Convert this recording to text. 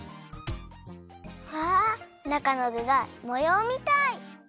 わあっなかのぐがもようみたい！